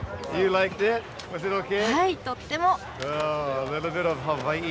はいとっても。